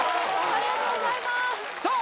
ありがとうございますさあ